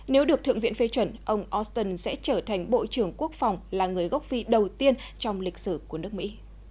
nếu được thượng viện phê chuẩn ông auston sẽ trở thành bộ trưởng quốc phòng là người gốc phi đầu tiên trong lịch sử của nước mỹ